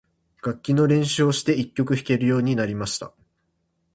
楽器の練習をして、一曲弾けるようになりました。